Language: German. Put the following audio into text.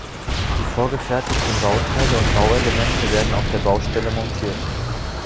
Die vorgefertigten Bauteile und Bauelemente werden auf der Baustelle montiert.